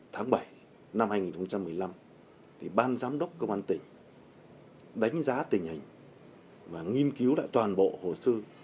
tháng bảy năm hai nghìn một mươi năm ban giám đốc công an tỉnh đánh giá tình hình và nghiên cứu lại toàn bộ hồ sơ